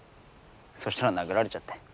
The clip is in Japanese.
そしたら殴られちゃって。